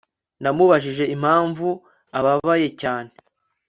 Namubajije impamvu ababaye cyane